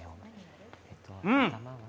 うん！